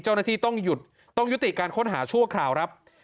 เจ้าหน้าที่ต้องหยุดต้องยุติการค้นหาชั่วคราวครับ